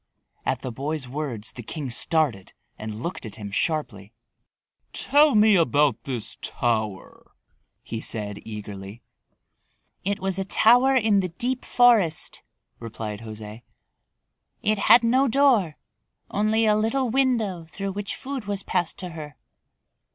At the boy's words the king started and looked at him sharply. "Tell me about this tower," he said eagerly. "It was a tower in the deep forest," replied José. "It had no door, only a little window through which food was passed to her.